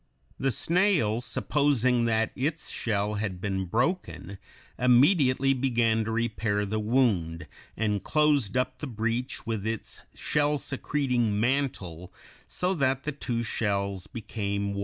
The snail, supposing that its shell had been broken, immediately began to repair the wound, and closed up the breach with its shell secreting mantle, so that the two shells became one.